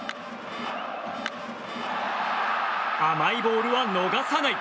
甘いボールは逃さない。